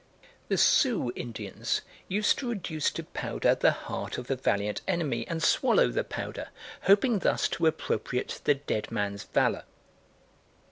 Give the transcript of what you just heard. The Sioux Indians used to reduce to powder the heart of a valiant enemy and swallow the powder, hoping thus to appropriate the dead man's valour.